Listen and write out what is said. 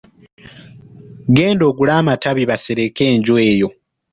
Genda ogule amabaati basereke enju yo.